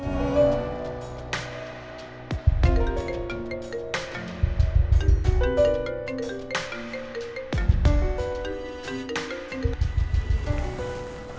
ya medidas lagi